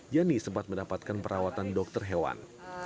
jani sempat mendapatkan perawatan dokter hewan